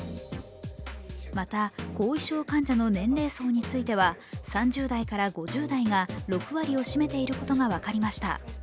また、後遺症患者の年齢層については、３０代から５０代が６割を占めていることが分かりました。